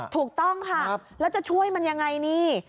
ถูกต้องค่ะแล้วจะช่วยมันยังไงนี่